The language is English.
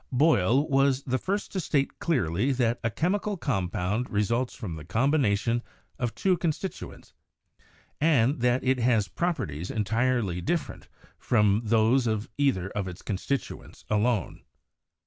Boyle was the first to state clearly that a chemical com pound results from the combination of two constituents, and that it has properties entirely different from those of either of its constituents alone.